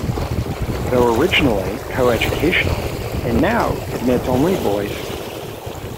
Though originally co-educational, it now admits only boys.